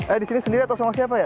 eh di sini sendiri atau sama siapa ya